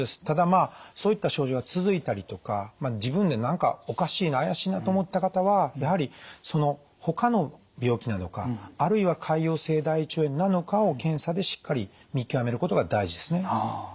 ただまあそういった症状が続いたりとか自分で何かおかしいな怪しいなと思った方はやはりその他の病気なのかあるいは潰瘍性大腸炎なのかを検査でしっかり見極めることが大事ですね。